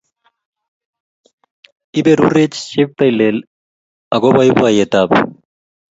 Iberurech cheptailel ago boiboiyetab